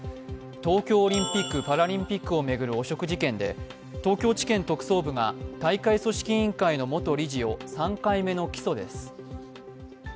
東京オリンピック・パラリンピックを巡る汚職事件で東京地検特捜部が大会組織委員会の元理事を３回目の起訴です。